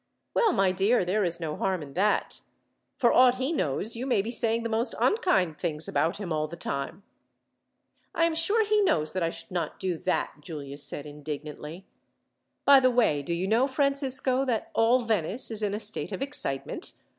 "Well, my dear, there is no harm in that. For aught he knows, you may be saying the most unkind things about him, all the time." "I am sure he knows that I should not do that," Giulia said indignantly. "By the way, do you know, Francisco, that all Venice is in a state of excitement!